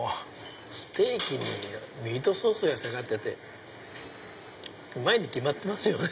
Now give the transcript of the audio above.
ステーキにミートソースがかかっててうまいに決まってますよね。